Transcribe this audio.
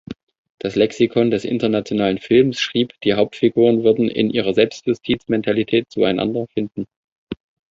Das "Lexikon des internationalen Films" schrieb, die Hauptfiguren würden „in ihrer Selbstjustiz-Mentalität zueinander“ finden.